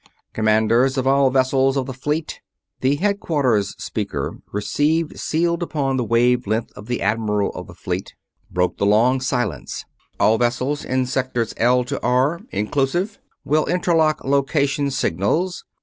"Commanders of all vessels of the Fleet!" The Headquarters speaker, receiver sealed upon the wave length of the Admiral of the Fleet, broke the long silence. "All vessels in sectors L to R, inclusive, will interlock location signals.